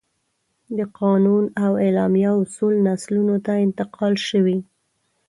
د قانون او اعلامیه اصول نسلونو ته انتقال شوي.